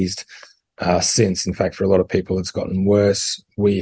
sebenarnya untuk banyak orang kecemasan sudah menjadi lebih teruk